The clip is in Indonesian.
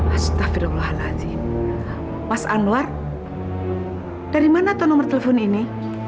astagfirullahaladzim mas anwar dari mana tuh nomor telepon ini